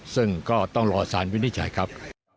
ซึ่งก็ต้องรอสารวินิจฉัยครับ